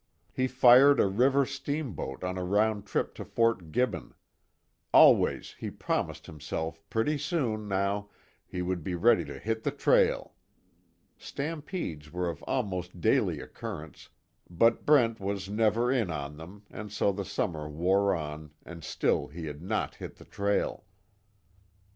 He fired a river steamboat on a round trip to Fort Gibbon. Always he promised himself pretty soon, now, he would be ready to hit the trail. Stampedes were of almost daily occurrence, but Brent was never in on them and so the summer wore on and still he had not hit the trail.